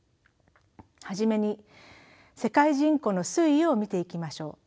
初めに世界人口の推移を見ていきましょう。